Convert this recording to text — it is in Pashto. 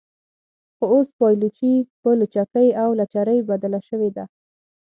خو اوس پایلوچي په لچکۍ او لچرۍ بدله شوې ده.